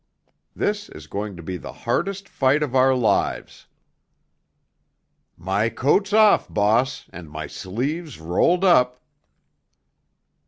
This is going to be the hardest fight of our lives." "My coat's off, boss, and my sleeves rolled up!"